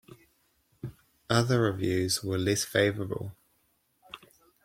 Other reviews were less favourable.